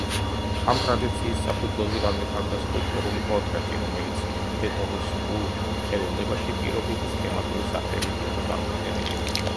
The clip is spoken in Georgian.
ამ ტრადიციის საფუძველზე განვითარდა სკულპტურული პორტრეტი, რომელიც ეტრუსკულ ხელოვნებაში პირობითი, სქემატური სახეებით იყო წარმოდგენილი.